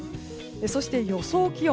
そして予想気温。